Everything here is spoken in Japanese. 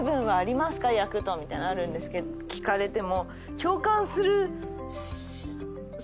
役と」みたいのあるんですけど聞かれても。